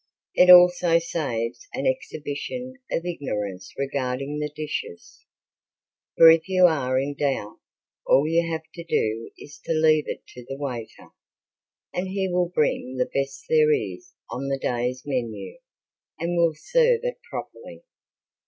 It also saves an exhibition of ignorance regarding the dishes, for if you are in doubt all you have to do is to leave it to the waiter, and he will bring the best there is on the day's menu and will serve it properly.